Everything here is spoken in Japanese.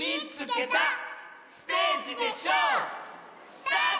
スタート！